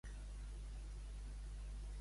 Parèixer de Búger.